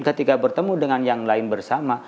ketika bertemu dengan yang lain bersama